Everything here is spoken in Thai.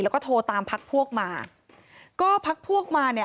แล้วก็โทรตามพักพวกมาก็พักพวกมาเนี่ย